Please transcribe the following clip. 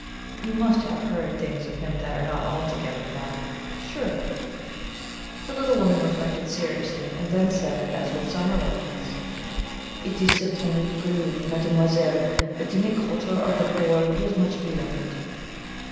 You must have heard things of him that are not altogether bad, surely?" The little woman reflected seriously, and then said, as with some reluctance: "It is certainly true, mademoiselle, that in the quarter of the poor he is much beloved.